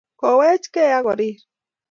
Kowechkei ak koriir